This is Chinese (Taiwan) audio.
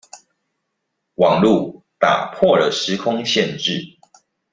網路打破了時空限制